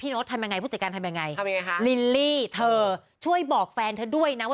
นะตามกลัวเรา